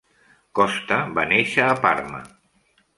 Costa va néixer a Parma.